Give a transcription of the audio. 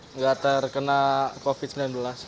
nggak terkena covid sembilan belas